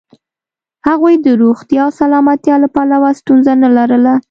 هغوی د روغتیا او سلامتیا له پلوه ستونزه نه لرله.